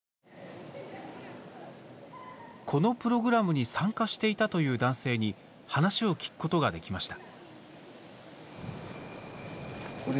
このプログラムに参加していたという男性に話を聞くことができました。